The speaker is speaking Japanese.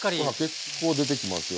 結構出てきますよ